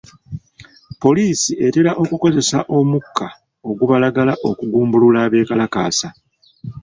Poliisi etera okukozesa omukka ogubalagala okugumbulula abeekalakaasa.